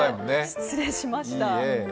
失礼しました。